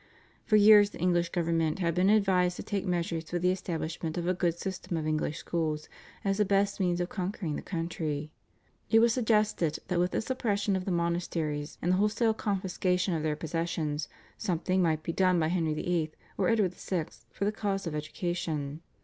For years the English government had been advised to take measures for the establishment of a good system of English schools as the best means of conquering the country. It was suggested that with the suppression of the monasteries and the wholesale confiscation of their possessions something might be done by Henry VIII. or Edward VI. for the cause of education.